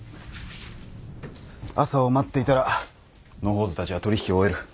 朝を待っていたら野放図たちは取引を終える。